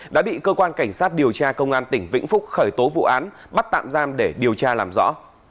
đã bị cơ quan cảnh sát điều tra công an tỉnh vĩnh phúc khởi tố vụ án bắt tạm giam để điều tra làm rõ